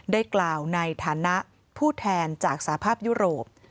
ได้กล่าวในฐานะผู้แทนจากสภาพยุโรป